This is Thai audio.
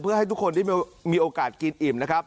เพื่อให้ทุกคนได้มีโอกาสกินอิ่มนะครับ